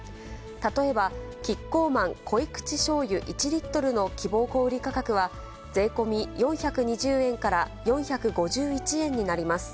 例えば、キッコーマンこいくちしょうゆ１Ｌの希望小売価格は、税込み４２０円から４５１円になります。